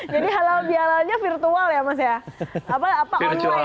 jadi halal bihalalnya virtual ya mas ya